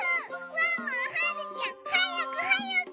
ワンワンはるちゃんはやくはやく！